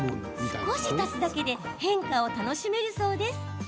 少し足すだけで変化を楽しめるそうです。